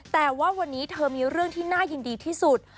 แต่ว่าวันนี้เธอมีเรื่องที่น่ายินดีที่สุด